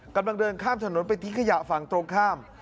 กำลังเดินข้ามถนนไปทิ้งขยะฝั่งตรงข้าม